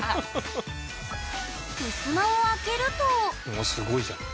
ふすまを開けるとうわすごいじゃん。